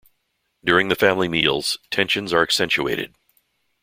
During the family meals, tensions are accentuated.